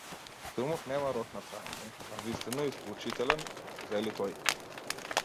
Филмот нема рок на траење, навистина е исклучителен, вели тој.